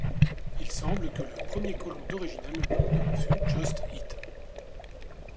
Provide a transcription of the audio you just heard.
Il semble que le premier colon d'origine allemande fut Jost Hite.